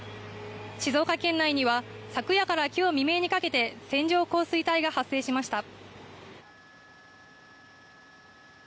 静岡県内には昨夜から今日未明にかけて線状降水帯が発生しました。